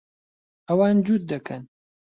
ئەوان جووت دەکەن.